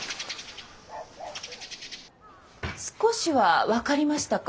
少しは分かりましたか？